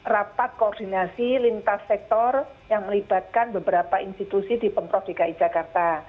rapat koordinasi lintas sektor yang melibatkan beberapa institusi di pemprov dki jakarta